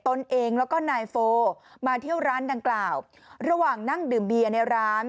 ตนเองแล้วก็นายโฟมาเที่ยวร้านดังกล่าวระหว่างนั่งดื่มเบียร์ในร้าน